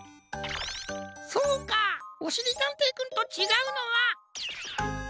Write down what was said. そうかおしりたんていくんとちがうのは。